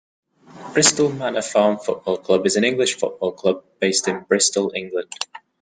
Bristol Manor Farm Football Club is an English football club based in Bristol, England.